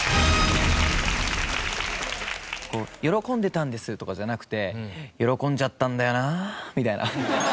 「喜んでたんです」とかじゃなくて「喜んじゃったんだよな」みたいな。